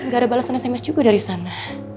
gak ada balasan sms juga dari sana